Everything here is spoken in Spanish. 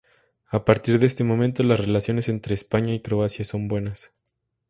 A partir de este momento las relaciones entre España y Croacia son buenas.